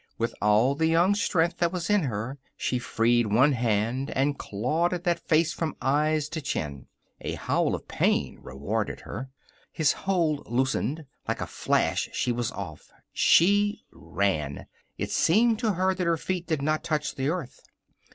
With all the young strength that was in her she freed one hand and clawed at that face from eyes to chin. A howl of pain rewarded her. His hold loosened. Like a flash she was off. She ran. It seemed to her that her feet did not touch the earth.